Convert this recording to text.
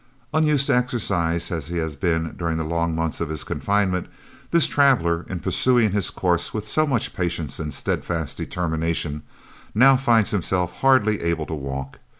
Unused to exercise as he has been during the long months of his confinement, this traveller, in pursuing his course with so much patience and steadfast determination, now finds himself hardly able to walk.